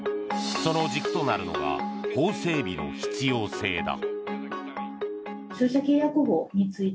その軸となるのが法整備の必要性だ。